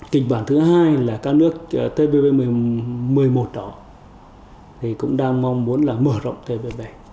kịch bản thứ hai là các nước tp một mươi một đó thì cũng đang mong muốn là mở rộng tv